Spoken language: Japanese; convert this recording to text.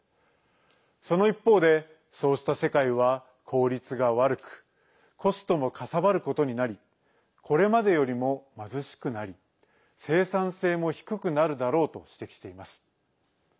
その一方で、そうした世界は効率が悪くコストもかさばることになりこれまでよりも貧しくなり生産性も低くなるだろうと指摘しています。